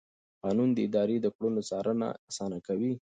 قانون د ادارې د کړنو څارنه اسانه کوي.